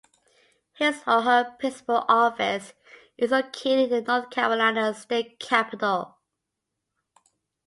His or her principal office is located in the North Carolina State Capitol.